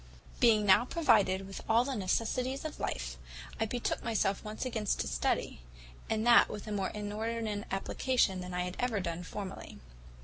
"Being now provided with all the necessaries of life, I betook myself once again to study, and that with a more inordinate application than I had ever done formerly.